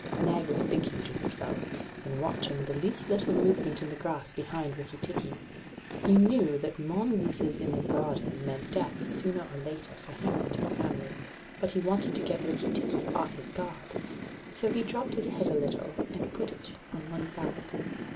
Nag was thinking to himself, and watching the least little movement in the grass behind Rikki tikki. He knew that mongooses in the garden meant death sooner or later for him and his family, but he wanted to get Rikki tikki off his guard. So he dropped his head a little, and put it on one side.